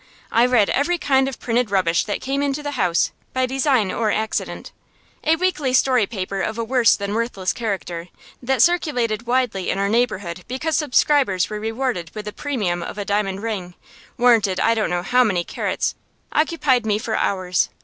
I read every kind of printed rubbish that came into the house, by design or accident. A weekly story paper of a worse than worthless character, that circulated widely in our neighborhood because subscribers were rewarded with a premium of a diamond ring, warranted I don't know how many karats, occupied me for hours.